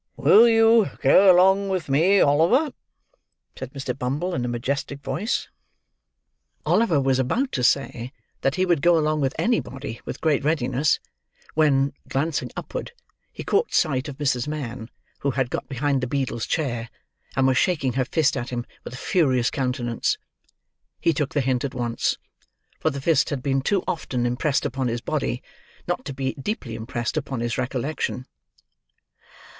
"Will you go along with me, Oliver?" said Mr. Bumble, in a majestic voice. Oliver was about to say that he would go along with anybody with great readiness, when, glancing upward, he caught sight of Mrs. Mann, who had got behind the beadle's chair, and was shaking her fist at him with a furious countenance. He took the hint at once, for the fist had been too often impressed upon his body not to be deeply impressed upon his recollection.